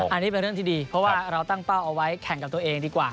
อันนี้เป็นเรื่องที่ดีเพราะว่าเราตั้งเป้าเอาไว้แข่งกับตัวเองดีกว่า